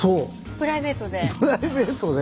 プライベートで？